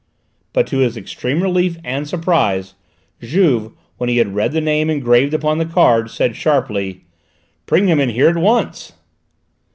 But to his extreme relief and surprise, Juve, when he had read the name engraved upon the card, said sharply: "Bring him in here at once!"